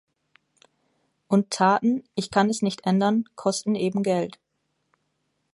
Und Taten – ich kann es nicht ändern – kosten eben Geld.